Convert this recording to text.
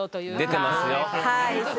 出てますね。